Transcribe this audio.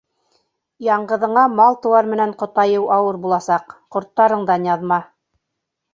Яңғыҙыңа мал-тыуар менән ҡотайыу ауыр буласаҡ - ҡорттарыңдан яҙма.